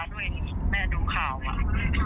มาให้ด้วยแม่ไปดูข่าวไทย